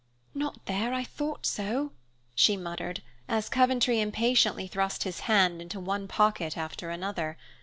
"Not there, I thought so!" she muttered, as Coventry impatiently thrust his hand into one pocket after another.